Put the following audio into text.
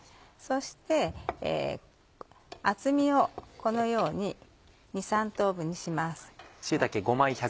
そして厚みをこのように２３等分にします。